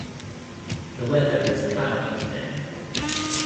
The weather is cloudy today.